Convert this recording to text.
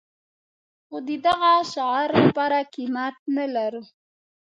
خو د دغه شعار لپاره قيمت نه لرو.